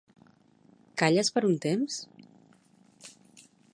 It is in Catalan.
Calles per un temps?